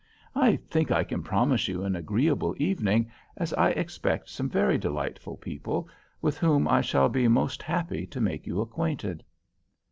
I think I can promise you an agreeable evening, as I expect some very delightful people, with whom I shall be most happy to make you acquainted."